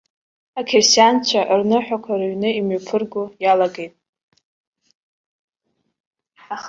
Ақьырсианцәа рныҳәақәа рыҩны имҩаԥырго иалагеит.